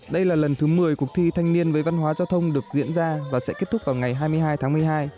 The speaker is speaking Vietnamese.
đây là lần thứ một mươi cuộc thi thanh niên với văn hóa giao thông được diễn ra và sẽ kết thúc vào ngày hai mươi hai tháng một mươi hai